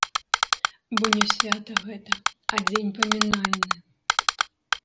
Бо не свята гэта, а дзень памінальны.